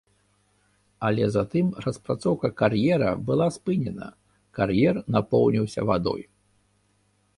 Але затым распрацоўка кар'ера была спынена, кар'ер напоўніўся вадой.